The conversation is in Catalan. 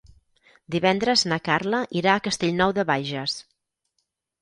Divendres na Carla irà a Castellnou de Bages.